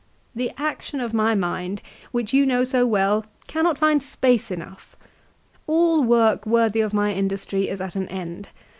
" The action of my mind which you know so well cannot find space enough. All work worthy of my industry is at an end.